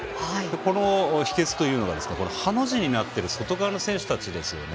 この秘けつというのがハの字になってる外側の選手たちですよね。